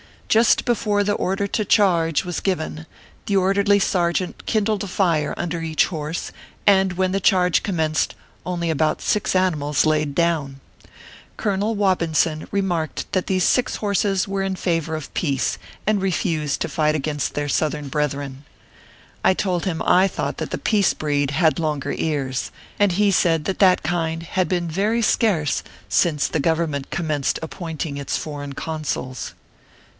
Just before the order to " charge" was given, the orderly sergeant kindled a fire under each horse, and when the charge commenced, only about six of the animals laid down. Colonel Wobinson remarked that these six horses were in favor of peace, and refused to fight against their ORPHEUS C. KERR PAPERS. 113 Southern brethren. I told him I thought that the peace breed had longer ears ; and he said that that kind had been very scarce since the Government com menced appointing its foreign consuls.